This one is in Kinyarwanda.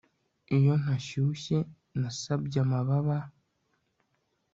Iyo ntashyushye nasabye amababa